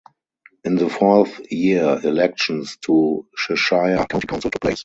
In the fourth year, elections to Cheshire County Council took place.